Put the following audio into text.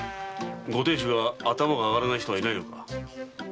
ご亭主が頭が上がらない人はいないのか？